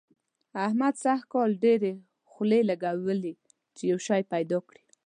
احمد سږ کال ډېرې خولې لګوي چي يو شی پيدا کړي.